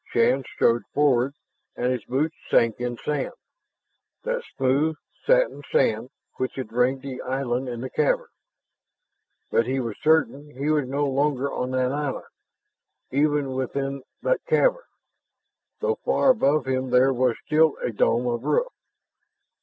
Shann strode forward, and his boots sank in sand, that smooth, satin sand which had ringed the island in the cavern. But he was certain he was no longer on that island, even within that cavern, though far above him there was still a dome of roof.